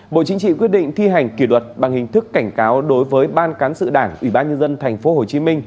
bộ chính trị quyết định thi hành kỷ luật bằng hình thức cảnh cáo đối với ban cán sự đảng ủy ban nhân dân tp hcm